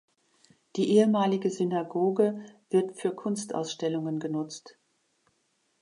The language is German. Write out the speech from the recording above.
Die ehemalige Synagoge wird für Kunstausstellungen genutzt.